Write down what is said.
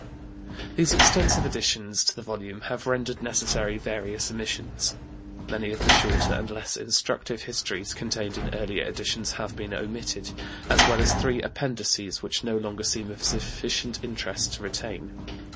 These extensive additions to the volume have rendered necessary various omissions. Many of the shorter and less instructive Histories contained in earlier editions have been omitted, as well as three Appendices which no longer seem of sufficient interest to retain.